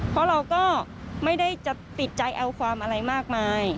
เพราะเราก็ไม่ได้จะติดใจเอาความอะไรมากมาย